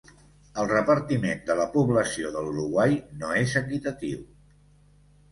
El repartiment de la població de l'Uruguai no és equitatiu.